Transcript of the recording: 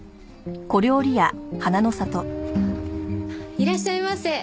いらっしゃいませ。